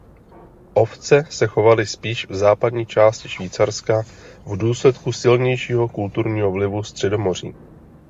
Ovce se chovaly spíš v západní části Švýcarska v důsledku silnějšího kulturního vlivu Středomoří.